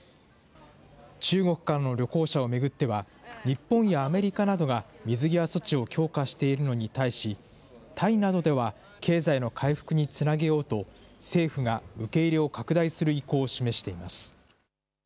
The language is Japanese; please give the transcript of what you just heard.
中国からの旅行者を巡っては、日本やアメリカなどが水際措置を強化しているのに対し、タイなどでは経済の回復につなげようと、政府が受け入れを拡大する意向を示しています。